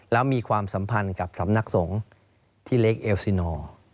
แล้วมีความสัมพันธ์กับสำนักสงฆ์ที่เล็กเอลซิโน